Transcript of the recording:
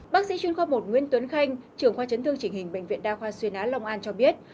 bác sĩ chuyên khoa một nguyễn tuấn khanh trưởng khoa chấn thương chỉnh hình bệnh viện đa khoa xuyên á long an cho biết